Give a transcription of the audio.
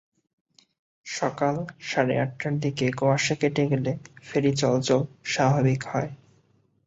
সকাল সাড়ে আটটার দিকে কুয়াশা কেটে গেলে ফেরি চলাচল স্বাভাবিক হয়।